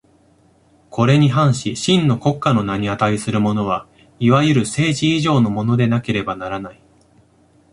これに反し真の国家の名に価するものは、いわゆる政治以上のものでなければならない。